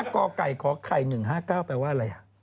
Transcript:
กไก่ขไข่๑๕๙แปลว่าอะไร